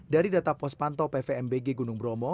dari data pos pantau pvmbg gunung bromo